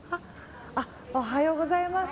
おはようございます。